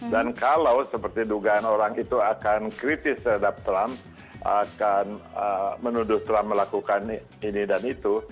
dan kalau seperti dugaan orang itu akan kritis terhadap trump akan menuduh trump melakukan ini dan itu